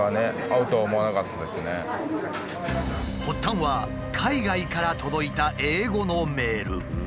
発端は海外から届いた英語のメール。